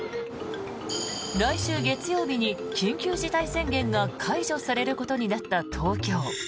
来週月曜日に緊急事態宣言が解除されることになった東京。